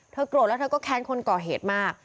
โกรธแล้วเธอก็แค้นคนก่อเหตุมาก